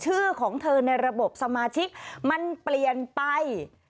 ชื่อของเธอในระบบสมาชิกมันเปลี่ยนไป